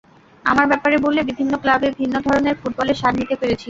আমার ব্যাপারে বললে বিভিন্ন ক্লাবে, ভিন্ন ধরনের ফুটবলের স্বাদ নিতে পেরেছি।